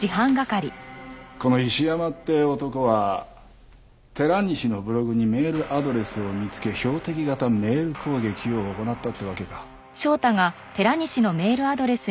この石山って男は寺西のブログにメールアドレスを見つけ標的型メール攻撃を行ったってわけか。